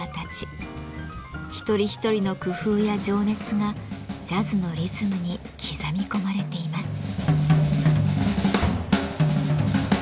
一人一人の工夫や情熱がジャズのリズムに刻み込まれています。